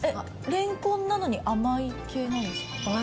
蓮根なのに甘い系なんですか？